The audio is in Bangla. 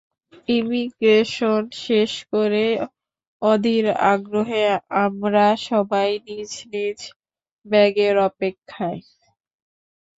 ইমিগ্রেশন শেষ করে অধীর আগ্রহে আমরা সবাই নিজ নিজ ব্যাগের অপেক্ষায়।